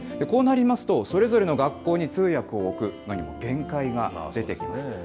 こうなりますと、それぞれの学校に通訳を置くにも限界が出てきます。